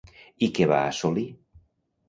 I què va assolir?